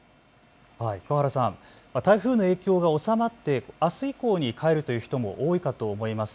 くわ原さん、台風の影響が収まってあす以降に帰るという人も多いかと思います。